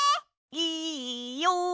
いいよ！